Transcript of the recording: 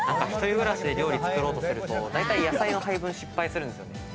何か１人暮らしで料理作ろうとすると大体野菜の配分失敗するんですよね。